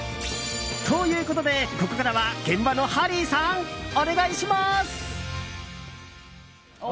ということでここからは現場のハリーさん、お願いします。